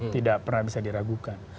tidak pernah bisa diragukan